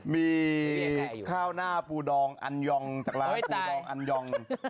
มีข้าวหน้าปูดองอันยองจากร้านปูดองอันยอง